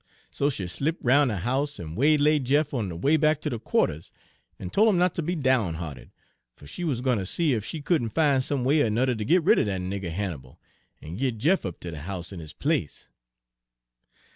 So she slip' roun' de house en waylaid Jeff on de way back ter de qua'ters, en tol' 'im not ter be down hea'ted, fer she wuz gwine ter see ef she couldn' fin' some way er 'nuther ter git rid er dat nigger Hannibal, en git Jeff up ter de house in his place.